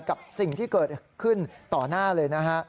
กับสิ่งที่เกิดขึ้นต่อหน้าเลยนะฮะ